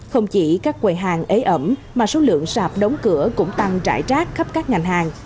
không chỉ các quầy hàng ế ẩm mà số lượng sạp đóng cửa cũng tăng trải trác khắp các ngành hàng